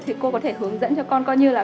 thì cô có thể hướng dẫn cho con coi như là